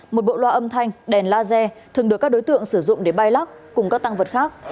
một bộ loa âm thanh đèn laser thường được các đối tượng sử dụng để bay lắc cùng các tăng vật khác